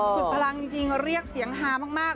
สุดพลังจริงเรียกเสียงฮามาก